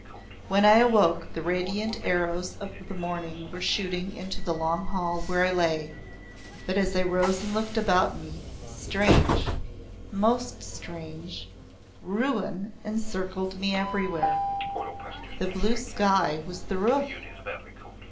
When I awoke the radiant arrows of the morning were shooting into the long hall where I lay, but as I rose and looked about me, strange most strange, ruin encircled me everywhere. The blue sky was the roof.